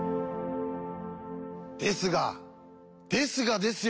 ですがですがですよ